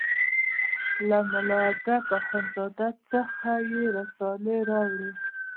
له ملا حضرت اخوند زاده څخه یې رسالې راوړې.